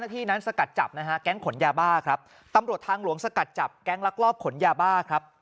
นี่ครับแก๊งขนยาบ้าครับตำรวจทางหลวงสกัดจับแก๊งลักลอบขนยาบ้าครับ